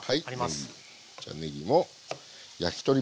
はい。